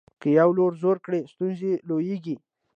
که یو لور زور کړي ستونزه لویېږي.